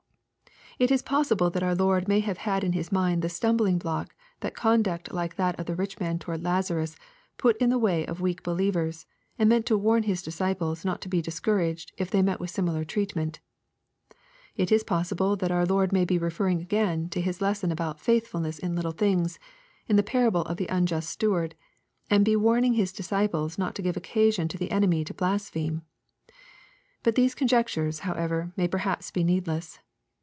— ^It is possible that our Lord may have had in his mind the stumbling block that conduct like that of the rich man towards Lazarus put in the way of weak believ ers, and meant to warn His disciples not to be discouraged if they met with similar treatment. — It is possible that our Lord may be referring again to His lesson about " faithfulness in little things" in the parable of the unjust steward, and be warning Hia disciples not to give occasion to the enemy to blaspheme. — Both these conjectures, however, may perhaps be needless.